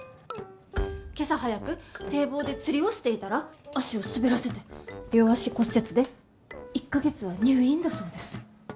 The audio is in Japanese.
今朝早く堤防で釣りをしていたら足を滑らせて両足骨折で１か月は入院だそうです。